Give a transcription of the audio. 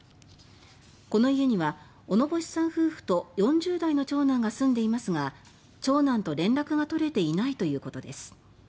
この家には小野星さん夫婦と４０代の長男が住んでいますが長男と連絡が取れていないということです。